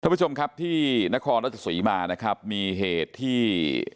ท่านผู้ชมครับที่นครรัฐสุริมานะครับมีเหตุที่